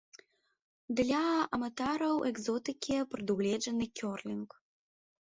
Для аматараў экзотыкі прадугледжаны кёрлінг.